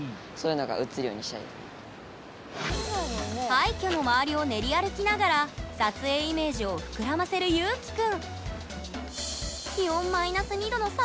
廃虚の周りを練り歩きながら撮影イメージを膨らませるゆうきくん